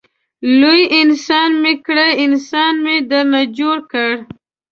لوی انسان مې کړې انسان مې درنه جوړ کړ.